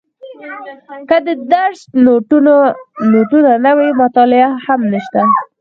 که د درس نوټونه نه وي مطالعه هم نشته.